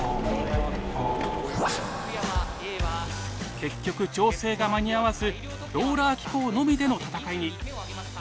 結局調整が間に合わずローラー機構のみでの戦いに。